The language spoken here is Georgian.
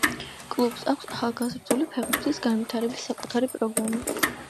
კლუბს აქვს ახალგაზრდული ფეხბურთის განვითარების საკუთარი პროგრამა.